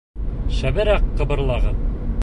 Шәберәк ҡыбырлағыҙ!